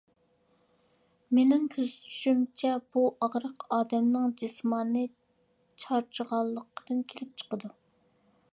مېنىڭ كۆزىتىشىمچە، بۇ ئاغرىق ئادەمنىڭ جىسمانىي چارچىغانلىقىدىن كېلىپ چىقىدۇ.